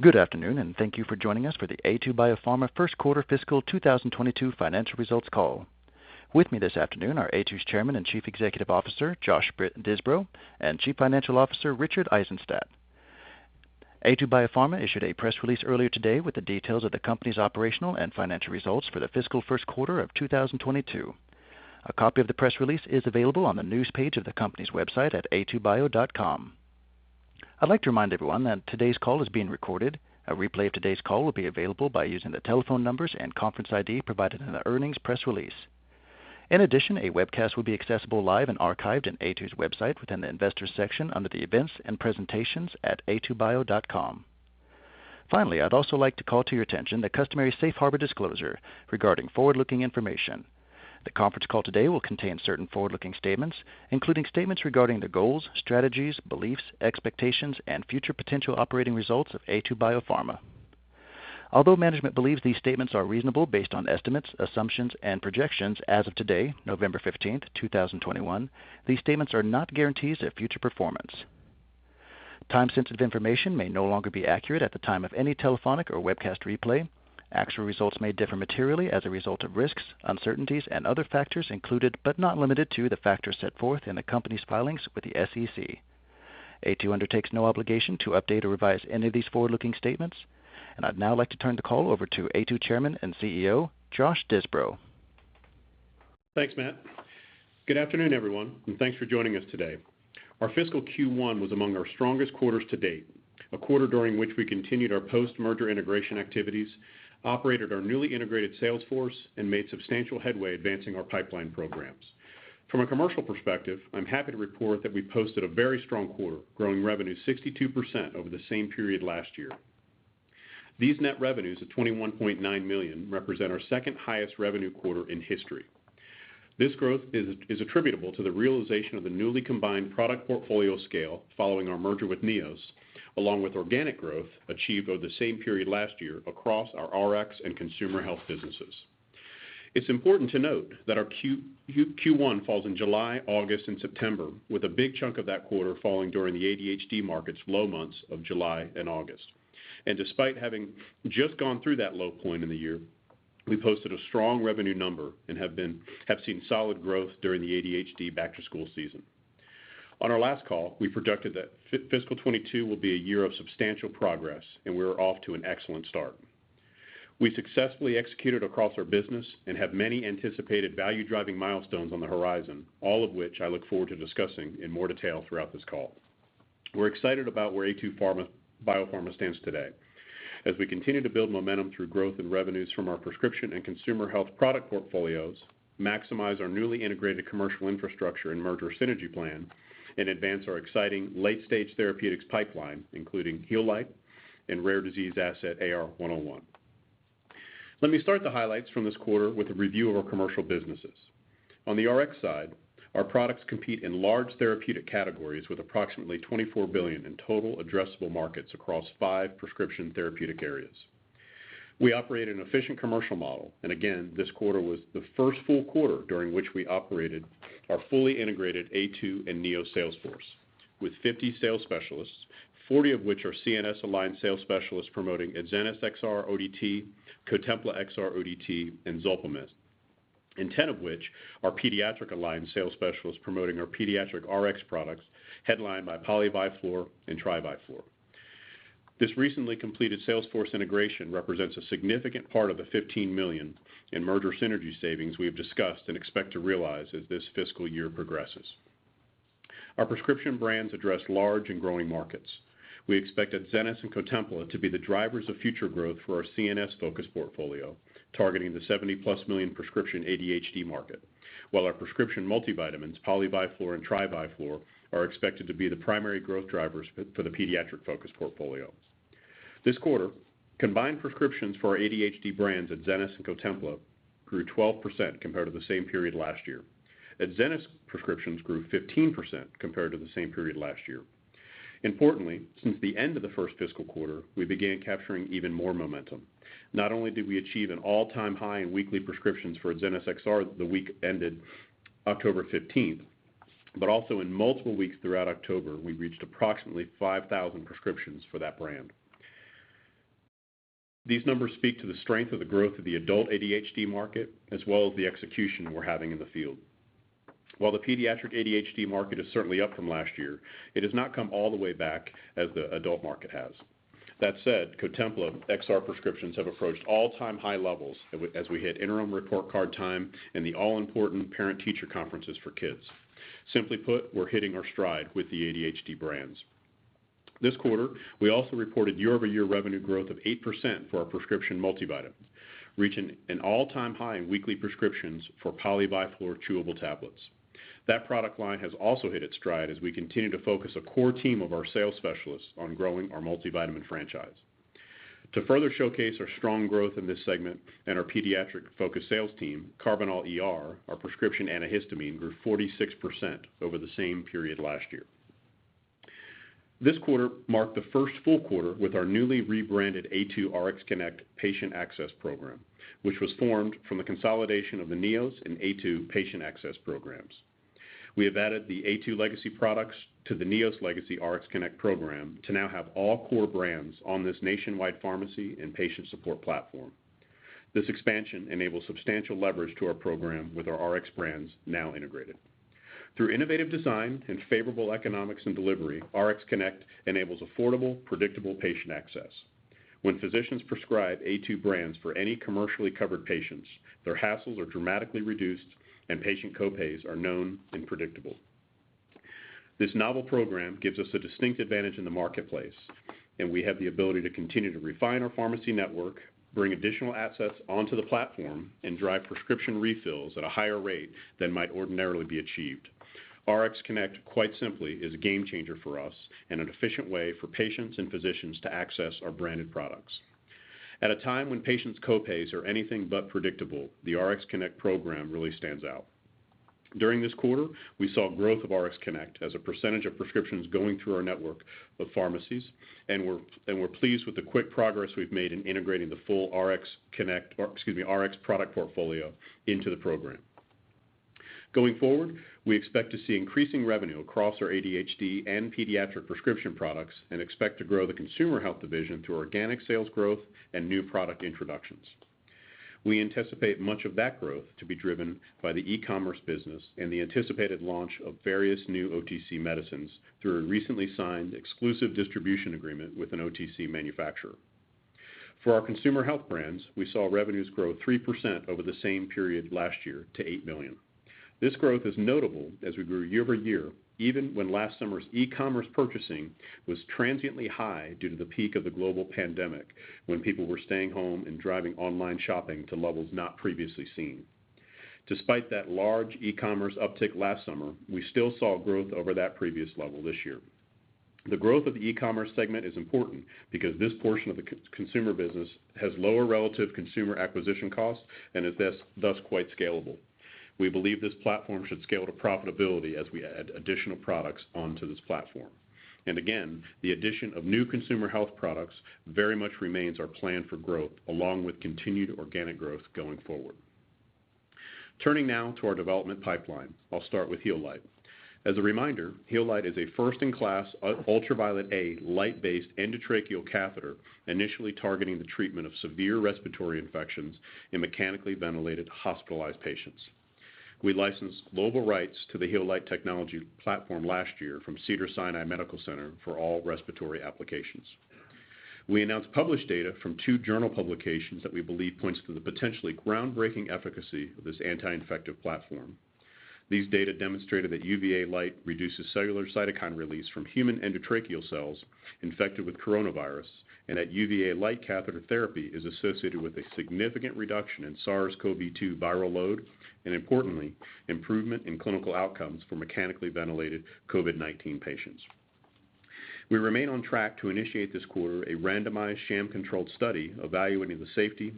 Good afternoon, and thank you for joining us for the Aytu BioPharma first quarter fiscal 2022 financial results call. With me this afternoon are Aytu's Chairman and Chief Executive Officer, Josh Disbrow, and Chief Financial Officer, Richard Eisenstadt. Aytu BioPharma issued a press release earlier today with the details of the company's operational and financial results for the fiscal first quarter of 2022. A copy of the press release is available on the news page of the company's website at aytubio.com. I'd like to remind everyone that today's call is being recorded. A replay of today's call will be available by using the telephone numbers and conference ID provided in the earnings press release. In addition, a webcast will be accessible live and archived in Aytu's website within the Investors section under the Events and Presentations at aytubio.com. Finally, I'd also like to call to your attention the customary safe harbor disclosure regarding forward-looking information. The conference call today will contain certain forward-looking statements, including statements regarding the goals, strategies, beliefs, expectations and future potential operating results of Aytu BioPharma. Although management believes these statements are reasonable based on estimates, assumptions and projections as of today, November 15th, 2021, these statements are not guarantees of future performance. Time-sensitive information may no longer be accurate at the time of any telephonic or webcast replay. Actual results may differ materially as a result of risks, uncertainties and other factors included, but not limited to, the factors set forth in the company's filings with the SEC. Aytu undertakes no obligation to update or revise any of these forward-looking statements. I'd now like to turn the call over to Aytu Chairman and CEO, Josh Disbrow. Thanks, Matt. Good afternoon, everyone, and thanks for joining us today. Our fiscal Q1 was among our strongest quarters to date, a quarter during which we continued our post-merger integration activities, operated our newly integrated sales force, and made substantial headway advancing our pipeline programs. From a commercial perspective, I'm happy to report that we posted a very strong quarter, growing revenue 62% over the same period last year. These net revenues of $21.9 million represent our second highest revenue quarter in history. This growth is attributable to the realization of the newly combined product portfolio scale following our merger with Neos, along with organic growth achieved over the same period last year across our Rx and consumer health businesses. It's important to note that our Q1 falls in July, August, and September, with a big chunk of that quarter falling during the ADHD market's low months of July and August. Despite having just gone through that low point in the year, we posted a strong revenue number and have seen solid growth during the ADHD back-to-school season. On our last call, we projected that fiscal 2022 will be a year of substantial progress, and we are off to an excellent start. We successfully executed across our business and have many anticipated value-driving milestones on the horizon, all of which I look forward to discussing in more detail throughout this call. We're excited about where Aytu BioPharma stands today as we continue to build momentum through growth in revenues from our prescription and consumer health product portfolios, maximize our newly integrated commercial infrastructure and merger synergy plan, and advance our exciting late-stage therapeutics pipeline, including Healight and rare disease asset AR101. Let me start the highlights from this quarter with a review of our commercial businesses. On the Rx side, our products compete in large therapeutic categories with approximately $24 billion in total addressable markets across five prescription therapeutic areas. We operate an efficient commercial model, and again, this quarter was the first full quarter during which we operated our fully integrated Aytu and Neos sales force, with 50 sales specialists, 40 of which are CNS-aligned sales specialists promoting Adzenys XR-ODT, Cotempla XR-ODT, and ZolpiMist, and 10 of which are pediatric-aligned sales specialists promoting our pediatric Rx products headlined by Poly-Vi-Flor and Tri-Vi-Flor. This recently completed sales force integration represents a significant part of the $15 million in merger synergy savings we have discussed and expect to realize as this fiscal year progresses. Our prescription brands address large and growing markets. We expect Adzenys and Cotempla to be the drivers of future growth for our CNS focus portfolio, targeting the 70+ million prescription ADHD market, while our prescription multivitamins, Poly-Vi-Flor and Tri-Vi-Flor, are expected to be the primary growth drivers for the pediatric focus portfolio. This quarter, combined prescriptions for our ADHD brands Adzenys and Cotempla grew 12% compared to the same period last year. Adzenys prescriptions grew 15% compared to the same period last year. Importantly, since the end of the first fiscal quarter, we began capturing even more momentum. Not only did we achieve an all-time high in weekly prescriptions for Adzenys XR the week ended October 15th, but also in multiple weeks throughout October, we reached approximately 5,000 prescriptions for that brand. These numbers speak to the strength of the growth of the adult ADHD market, as well as the execution we're having in the field. While the pediatric ADHD market is certainly up from last year, it has not come all the way back as the adult market has. That said, Cotempla XR prescriptions have approached all-time high levels as we hit interim report card time and the all-important parent-teacher conferences for kids. Simply put, we're hitting our stride with the ADHD brands. This quarter, we also reported year-over-year revenue growth of 8% for our prescription multivitamins, reaching an all-time high in weekly prescriptions for Poly-Vi-Flor chewable tablets. That product line has also hit its stride as we continue to focus a core team of our sales specialists on growing our multivitamin franchise. To further showcase our strong growth in this segment and our pediatric-focused sales team, Karbinal ER, our prescription antihistamine, grew 46% over the same period last year. This quarter marked the first full quarter with our newly rebranded Aytu RxConnect patient access program, which was formed from the consolidation of the Neos and Aytu patient access programs. We have added the Aytu legacy products to the Neos legacy RxConnect program to now have all core brands on this nationwide pharmacy and patient support platform. This expansion enables substantial leverage to our program with our Rx brands now integrated. Through innovative design and favorable economics and delivery, RxConnect enables affordable, predictable patient access. When physicians prescribe Aytu brands for any commercially covered patients, their hassles are dramatically reduced and patient co-pays are known and predictable. This novel program gives us a distinct advantage in the marketplace, and we have the ability to continue to refine our pharmacy network, bring additional assets onto the platform, and drive prescription refills at a higher rate than might ordinarily be achieved. RxConnect, quite simply, is a game changer for us and an efficient way for patients and physicians to access our branded products. At a time when patients' co-pays are anything but predictable, the RxConnect program really stands out. During this quarter, we saw growth of RxConnect as a percentage of prescriptions going through our network of pharmacies, and we're pleased with the quick progress we've made in integrating the full Rx product portfolio into the program. Going forward, we expect to see increasing revenue across our ADHD and pediatric prescription products and expect to grow the consumer health division through organic sales growth and new product introductions. We anticipate much of that growth to be driven by the e-commerce business and the anticipated launch of various new OTC medicines through a recently signed exclusive distribution agreement with an OTC manufacturer. For our consumer health brands, we saw revenues grow 3% over the same period last year to $8 million. This growth is notable as we grew year-over-year, even when last summer's e-commerce purchasing was transiently high due to the peak of the global pandemic when people were staying home and driving online shopping to levels not previously seen. Despite that large e-commerce uptick last summer, we still saw growth over that previous level this year. The growth of the e-commerce segment is important because this portion of the consumer business has lower relative consumer acquisition costs and is thus quite scalable. We believe this platform should scale to profitability as we add additional products onto this platform. Again, the addition of new consumer health products very much remains our plan for growth along with continued organic growth going forward. Turning now to our development pipeline, I'll start with Healight. As a reminder, Healight is a first-in-class ultraviolet A light-based endotracheal catheter initially targeting the treatment of severe respiratory infections in mechanically ventilated hospitalized patients. We licensed global rights to the Healight technology platform last year from Cedars-Sinai Medical Center for all respiratory applications. We announced published data from two journal publications that we believe points to the potentially groundbreaking efficacy of this anti-infective platform. These data demonstrated that UVA light reduces cellular cytokine release from human endotracheal cells infected with coronavirus and that UVA light catheter therapy is associated with a significant reduction in SARS-CoV-2 viral load and importantly, improvement in clinical outcomes for mechanically ventilated COVID-19 patients. We remain on track to initiate this quarter a randomized sham-controlled study evaluating the safety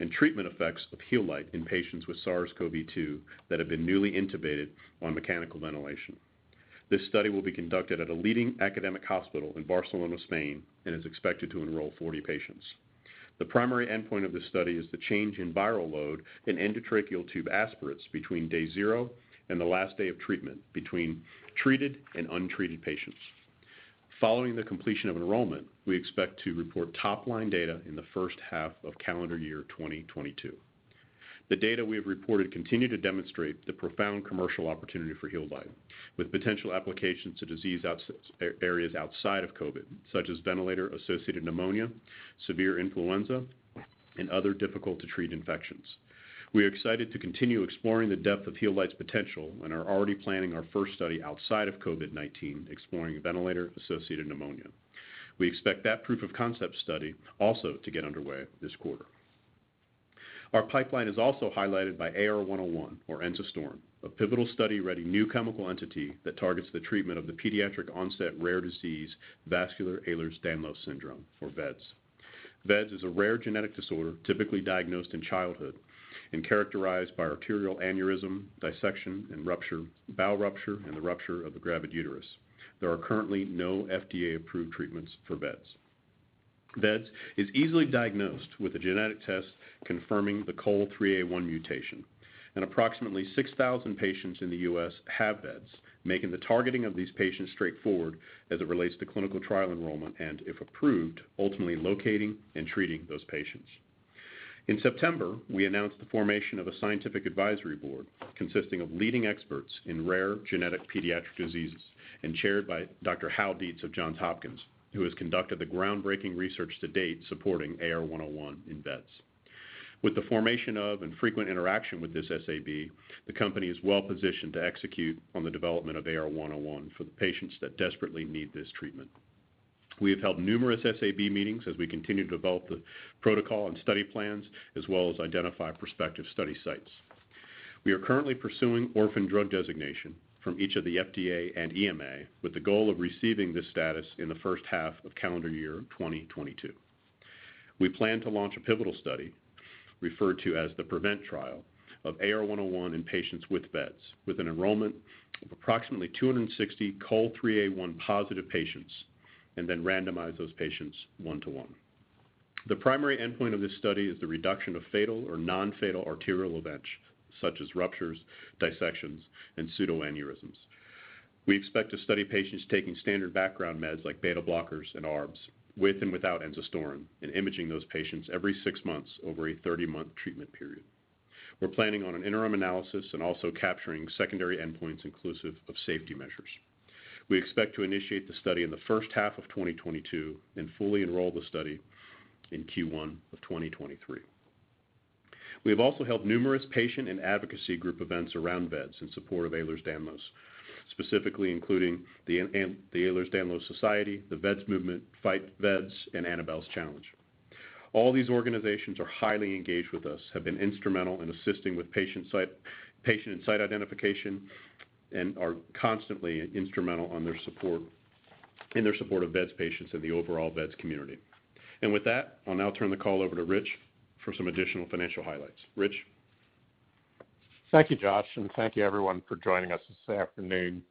and treatment effects of Healight in patients with SARS-CoV-2 that have been newly intubated on mechanical ventilation. This study will be conducted at a leading academic hospital in Barcelona, Spain, and is expected to enroll 40 patients. The primary endpoint of this study is the change in viral load in endotracheal tube aspirates between day zero and the last day of treatment between treated and untreated patients. Following the completion of enrollment, we expect to report top-line data in the first half of calendar year 2022. The data we have reported continue to demonstrate the profound commercial opportunity for Healight with potential applications to disease areas outside of COVID, such as ventilator-associated pneumonia, severe influenza, and other difficult-to-treat infections. We are excited to continue exploring the depth of Healight's potential and are already planning our first study outside of COVID-19 exploring ventilator-associated pneumonia. We expect that proof-of-concept study also to get underway this quarter. Our pipeline is also highlighted by AR101, or Enzastaurin, a pivotal study-ready new chemical entity that targets the treatment of the pediatric onset rare disease vascular Ehlers-Danlos syndrome, or VEDS. VEDS is a rare genetic disorder typically diagnosed in childhood and characterized by arterial aneurysm, dissection and rupture, bowel rupture, and the rupture of the gravid uterus. There are currently no FDA-approved treatments for VEDS. VEDS is easily diagnosed with a genetic test confirming the COL3A1 mutation, and approximately 6,000 patients in the U.S. have VEDS, making the targeting of these patients straightforward as it relates to clinical trial enrollment and, if approved, ultimately locating and treating those patients. In September, we announced the formation of a scientific advisory board consisting of leading experts in rare genetic pediatric diseases and chaired by Dr. Hal Dietz of Johns Hopkins, who has conducted the groundbreaking research to date supporting AR101 in VEDS. With the formation of and frequent interaction with this SAB, the company is well-positioned to execute on the development of AR101 for the patients that desperately need this treatment. We have held numerous SAB meetings as we continue to develop the protocol and study plans, as well as identify prospective study sites. We are currently pursuing orphan drug designation from each of the FDA and EMA with the goal of receiving this status in the first half of calendar year 2022. We plan to launch a pivotal study, referred to as the PREVEnt Trial, of AR101 in patients with VEDS with an enrollment of approximately 260 COL3A1-positive patients and then randomize those patients one-to-one. The primary endpoint of this study is the reduction of fatal or non-fatal arterial events such as ruptures, dissections, and pseudoaneurysms. We expect to study patients taking standard background meds like beta blockers and ARBs with and without Enzastaurinendostorm and imaging those patients every six months over a 30-month treatment period. We're planning on an interim analysis and also capturing secondary endpoints inclusive of safety measures. We expect to initiate the study in the first half of 2022 and fully enroll the study in Q1 of 2023. We have also held numerous patient and advocacy group events around VEDS in support of Ehlers-Danlos, specifically including the Ehlers-Danlos Society, the VEDS Movement, FIGHT vEDS, and Annabelle's Challenge. All these organizations are highly engaged with us, have been instrumental in assisting with patient and site identification, and are constantly instrumental in their support of VEDS patients and the overall VEDS community. With that, I'll now turn the call over to Rich for some additional financial highlights. Rich? Thank you, Josh, and thank you everyone for joining us this afternoon.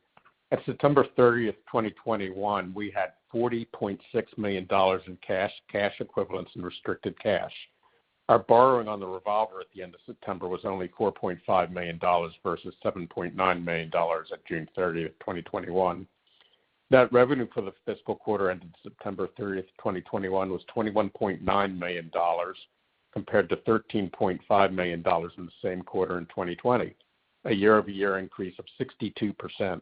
At September 30, 2021, we had $40.6 million in cash equivalents, and restricted cash. Our borrowing on the revolver at the end of September was only $4.5 million versus $7.9 million at June 30, 2021. Net revenue for the fiscal quarter ended September 30, 2021 was $21.9 million compared to $13.5 million in the same quarter in 2020, a year-over-year increase of 62%.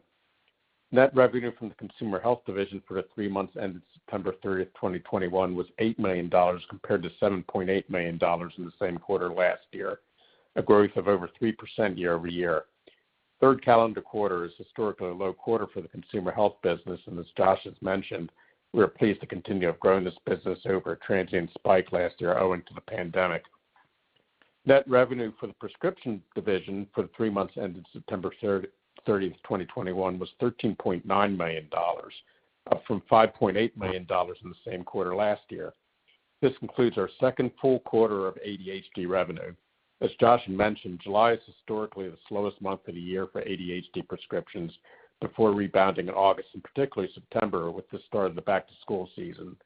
Net revenue from the consumer health division for the three months ended September 30, 2021 was $8 million compared to $7.8 million in the same quarter last year, a growth of over 3% year-over-year. Third calendar quarter is historically a low quarter for the consumer health business, and as Josh has mentioned, we are pleased to continue to have grown this business over a transient spike last year owing to the pandemic. Net revenue for the prescription division for the three months ended September 30, 2021 was $13.9 million, up from $5.8 million in the same quarter last year. This concludes our second full quarter of ADHD revenue. As Josh mentioned, July is historically the slowest month of the year for ADHD prescriptions before rebounding in August and particularly September with the start of the back-to-school season.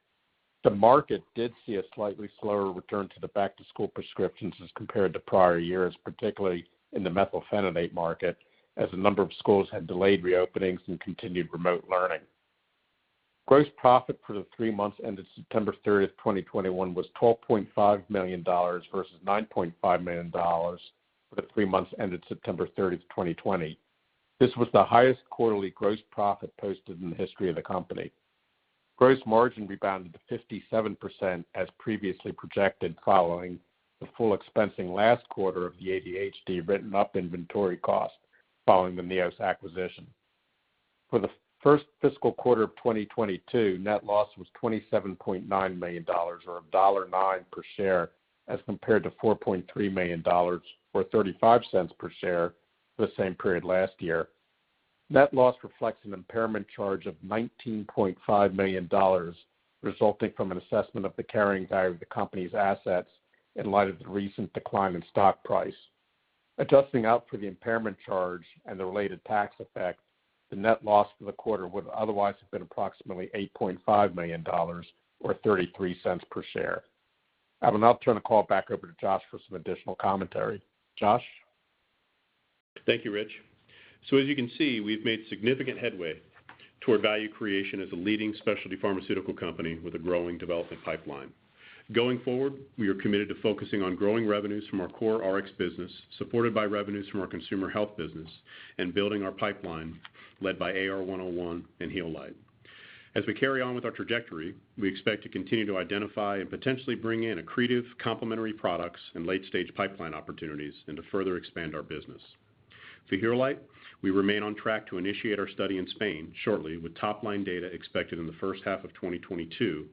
The market did see a slightly slower return to the back-to-school prescriptions as compared to prior years, particularly in the methylphenidate market, as a number of schools had delayed reopenings and continued remote learning. Gross profit for the three months ended September 30, 2021 was $12.5 million versus $9.5 million for the three months ended September 30, 2020. This was the highest quarterly gross profit posted in the history of the company. Gross margin rebounded to 57% as previously projected following the full expensing last quarter of the ADHD written-up inventory cost following the Neos acquisition. For the first fiscal quarter of 2022, net loss was $27.9 million or $1.09 per share as compared to $4.3 million or $0.35 per share the same period last year. Net loss reflects an impairment charge of $19.5 million resulting from an assessment of the carrying value of the company's assets in light of the recent decline in stock price. Adjusting out for the impairment charge and the related tax effect, the net loss for the quarter would otherwise have been approximately $8.5 million or $0.33 per share. I will now turn the call back over to Josh for some additional commentary. Josh? Thank you, Rich. As you can see, we've made significant headway toward value creation as a leading specialty pharmaceutical company with a growing development pipeline. Going forward, we are committed to focusing on growing revenues from our core RX business, supported by revenues from our consumer health business and building our pipeline led by AR101 and Healight. As we carry on with our trajectory, we expect to continue to identify and potentially bring in accretive complementary products and late-stage pipeline opportunities and to further expand our business. For Healight, we remain on track to initiate our study in Spain shortly with top-line data expected in the first half of 2022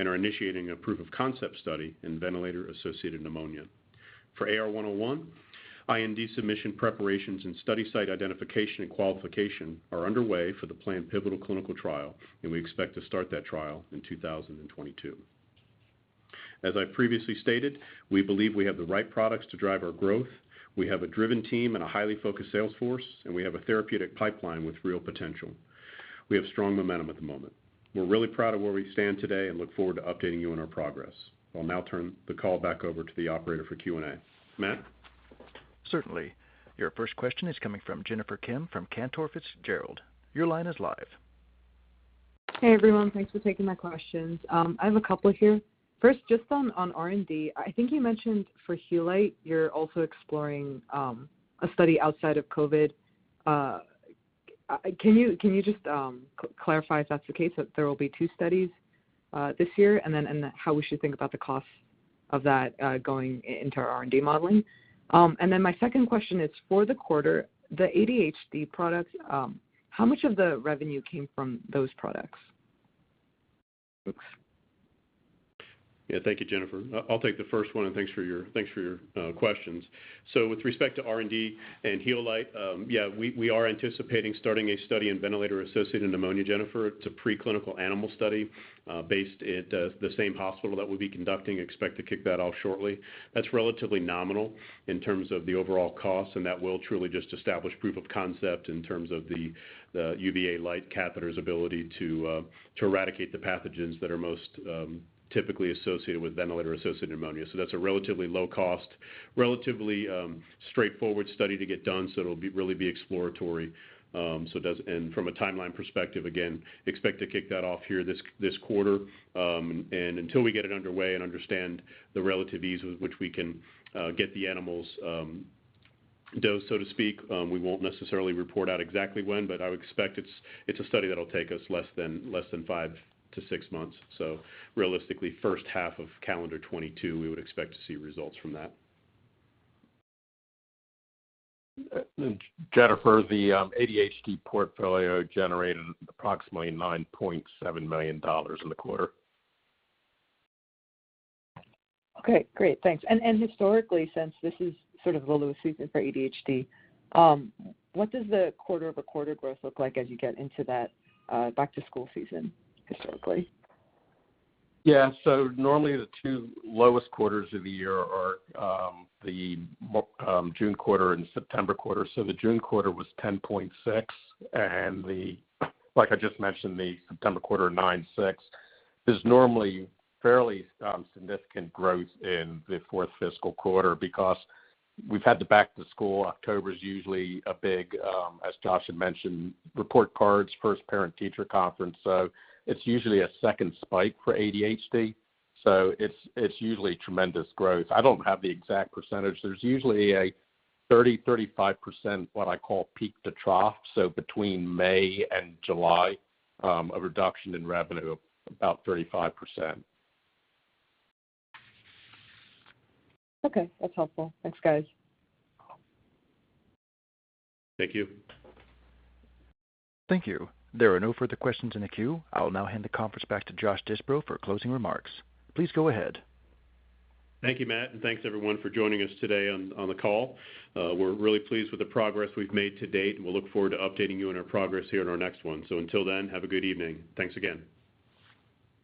and are initiating a proof of concept study in ventilator-associated pneumonia. For AR101, IND submission preparations and study site identification and qualification are underway for the planned pivotal clinical trial, and we expect to start that trial in 2022. As I previously stated, we believe we have the right products to drive our growth. We have a driven team and a highly focused sales force, and we have a therapeutic pipeline with real potential. We have strong momentum at the moment. We're really proud of where we stand today and look forward to updating you on our progress. I'll now turn the call back over to the operator for Q&A. Matt? Certainly. Your first question is coming from Jennifer Kim from Cantor Fitzgerald. Your line is live. Hey, everyone. Thanks for taking my questions. I have a couple here. First, just on R&D. I think you mentioned for Healight you're also exploring a study outside of COVID. Can you just clarify if that's the case, that there will be two studies this year? How we should think about the cost of that going into our R&D modeling. My second question is for the quarter, the ADHD products, how much of the revenue came from those products? Thanks. Yeah. Thank you, Jennifer. I'll take the first one, and thanks for your questions. So with respect to R&D and Healight, we are anticipating starting a study in ventilator-associated pneumonia, Jennifer. It's a preclinical animal study based at the same hospital that we'll be conducting. Expect to kick that off shortly. That's relatively nominal in terms of the overall cost, and that will truly just establish proof of concept in terms of the UVA light catheter's ability to eradicate the pathogens that are most typically associated with ventilator-associated pneumonia. So that's a relatively low cost, relatively straightforward study to get done, so it'll really be exploratory. From a timeline perspective, again, expect to kick that off here this quarter. Until we get it underway and understand the relative ease with which we can get the animals dose, so to speak, we won't necessarily report out exactly when, but I would expect it's a study that'll take us less than five to six months. Realistically, first half of calendar 2022, we would expect to see results from that. Jennifer, the ADHD portfolio generated approximately $9.7 million in the quarter. Okay, great. Thanks. Historically, since this is sort of the low season for ADHD, what does the quarter-over-quarter growth look like as you get into that back to school season historically? Yeah. Normally, the two lowest quarters of the year are the June quarter and September quarter. The June quarter was $10.6, and like I just mentioned, the September quarter, $9.6. There's normally fairly significant growth in the fourth fiscal quarter because we've had the back to school. October is usually a big, as Josh had mentioned, report cards, first parent-teacher conference. It's usually a second spike for ADHD, so it's usually tremendous growth. I don't have the exact percentage. There's usually a 30%-35%, what I call peak to trough, so between May and July, a reduction in revenue of about 35%. Okay, that's helpful. Thanks, guys. Thank you. Thank you. There are no further questions in the queue. I'll now hand the conference back to Josh Disbrow for closing remarks. Please go ahead. Thank you, Matt, and thanks everyone for joining us today on the call. We're really pleased with the progress we've made to date, and we'll look forward to updating you on our progress here on our next one. Until then, have a good evening. Thanks again.